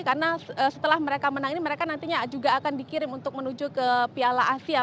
karena setelah mereka menang ini mereka nantinya juga akan dikirim untuk menuju ke piala asia